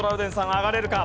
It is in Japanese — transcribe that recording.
上がれるか？